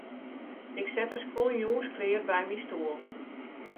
Ik set de skuon jûns klear by myn stoel.